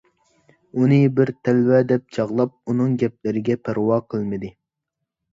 ئۇنى بىر تەلۋە دەپ چاغلاپ، ئۇنىڭ گەپلىرىگە پەرۋا قىلمىدى.